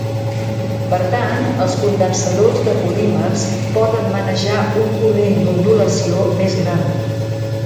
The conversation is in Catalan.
Per tant, els condensadors de polímers poden manejar un corrent d'ondulació més gran.